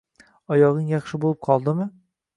Oyog`ing yaxshi bo`lib qoldimi